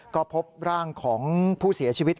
ก็พบร่างของผู้เสียชีวิต